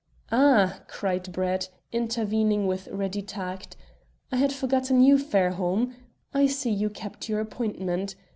"Ah," cried Brett, intervening with ready tact, "I had forgotten you, Fairholme. I see you kept your appointment.